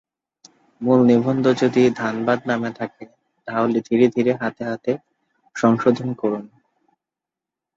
মূল নিবন্ধ যদি ধানবাদ নামে থাকে, তাহলে ধীরে ধীরে হাতে হাতে সংশোধন করুন।